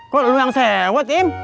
kok lu yang sewet im